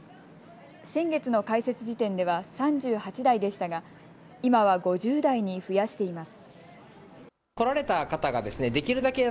先月の開設時点では３８台でしたが、今は５０台に増やしています。